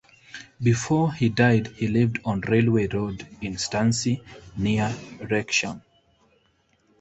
Before he died he lived on Railway Road in Stansty near Wrexham.